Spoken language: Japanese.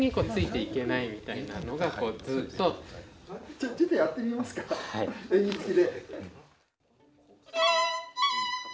じゃちょっとやってみますか演技つきで。